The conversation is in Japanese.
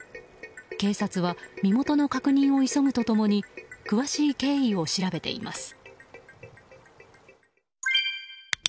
警察は身元の確認を急ぐと共に詳しい経緯を調べています。